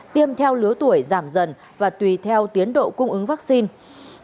tiêm theo lứa tuổi giảm dần và tùy theo tiến độ cung ứng vaccine